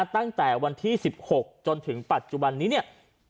ตั้งแต่วันที่๑๖จนถึงปัจจุบันนี้เนี่ย